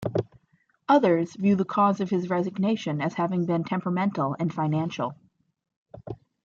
Others view the cause of his resignation as having been temperamental and financial.